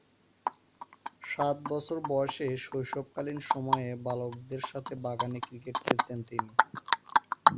সাত বছর বয়সে শৈশবকালীন সময়ে বালকদের সাথে বাগানে ক্রিকেট খেলতেন তিনি।